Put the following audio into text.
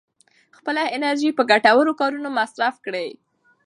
خپله انرژي په ګټورو کارونو مصرف کړئ.